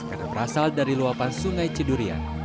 karena berasal dari luapan sungai cedurian